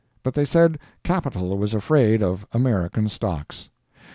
But they said capital was afraid of American stocks.